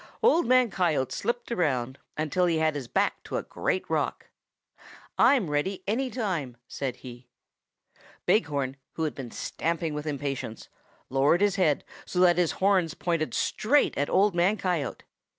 "Old Man Coyote slipped around until he had his back to a great rock. 'I'm ready any time,' said he. "Big Horn, who had been stamping with impatience, lowered his head so that his horns pointed straight at Old Man Coyote.